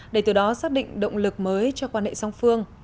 để từ đó xác định động lực mới cho quan hệ song phương